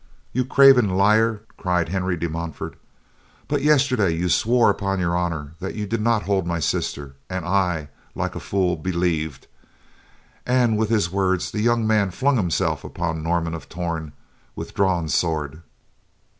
"You craven liar," cried Henry de Montfort, "but yesterday you swore upon your honor that you did not hold my sister, and I, like a fool, believed." And with his words, the young man flung himself upon Norman of Torn with drawn sword.